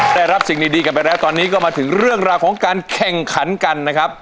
ได้รับสิ่งดีกันไปแล้วตอนนี้ก็มาถึงเรื่องราวของการแข่งขันกันนะครับ